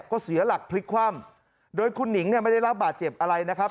ก็เสียหลักพลิกคว่ำโดยคุณหนิงเนี่ยไม่ได้รับบาดเจ็บอะไรนะครับ